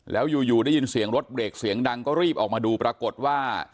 แล้วอยู่ได้ยินเสียงรถเบรกเสียงดังก็รีบออกมาดูปรากฏว่า